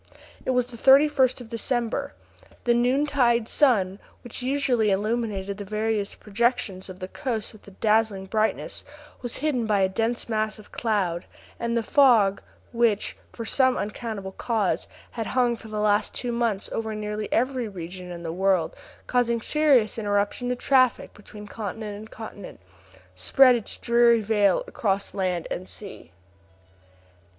It was the 31st of December. The noontide sun, which usually illuminated the various projections of the coast with a dazzling brightness, was hidden by a dense mass of cloud, and the fog, which for some unaccountable cause, had hung for the last two months over nearly every region in the world, causing serious interruption to traffic between continent and continent, spread its dreary veil across land and sea.